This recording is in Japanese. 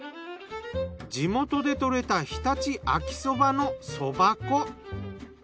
地元で採れた常陸秋そばのそば粉。